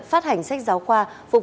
phát hành sách giáo khoa